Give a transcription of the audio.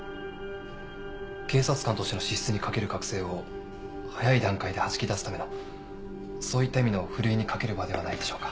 警察官としての資質に欠ける学生を早い段階ではじき出すためのそういった意味のふるいにかける場ではないでしょうか。